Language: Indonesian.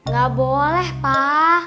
gak boleh pak